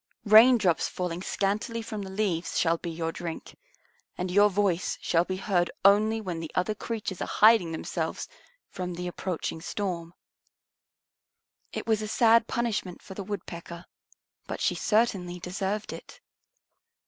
Raindrops falling scantily from the leaves shall be your drink, and your voice shall be heard only when other creatures are hiding themselves from the approaching storm." It was a sad punishment for the Woodpecker, but she certainly deserved it.